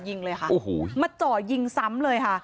ยิงเลยค่ะเอ่อโอ้โฮมาจอดยิงซ้ำเลยค่ะ